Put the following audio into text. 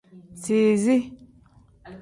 Sizi.